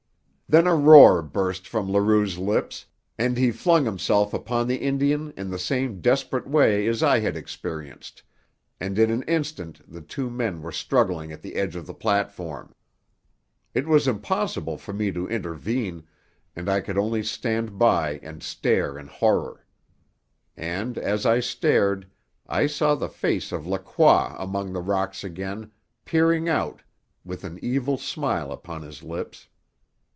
Then a roar burst from Leroux's lips, and he flung himself upon the Indian in the same desperate way as I had experienced, and in an instant the two men were struggling at the edge of the platform. It was impossible for me to intervene, and I could only stand by and stare in horror. And, as I stared, I saw the face of Lacroix among the rocks again, peering out, with an evil smile upon his lips.